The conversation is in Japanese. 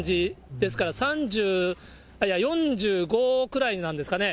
ですから、４５くらいなんですかね。